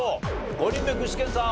５人目具志堅さん